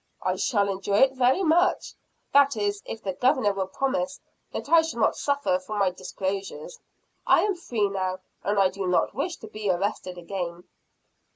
"I shall enjoy it very much that is, if the Governor will promise that I shall not suffer for my disclosures. I am free now, and I do not wish to be arrested again."